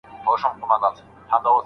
وظیفه باید بې ارزښته ونه ګڼل سي.